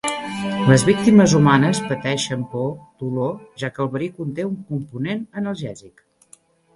Les víctimes humanes pateixen por dolor ja que el verí conté un component analgèsic.